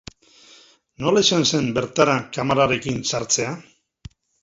Nola izan zen bertara kamerarekin sartzea?